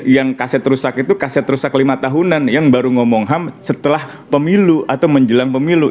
yang kaset rusak itu kaset rusak lima tahunan yang baru ngomong ham setelah pemilu atau menjelang pemilu